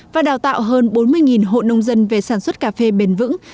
và đào tạo hơn bốn mươi hộ nông dân về sản xuất cà phê bền vững